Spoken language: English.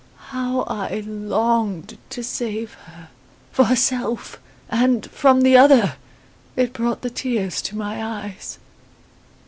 How I longed to save her for herself, and, from the other! It brought the tears to my eyes.